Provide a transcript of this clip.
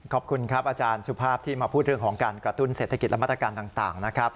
ขอบคุณครับอาจารย์สุภาพที่มาพูดเรื่องของการกระตุ้นเศรษฐกิจและมาตรการต่างนะครับ